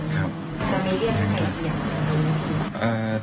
ทำไมเรียกใครที่อยากเรียก